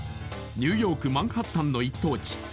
ニューヨークマンハッタンの一等地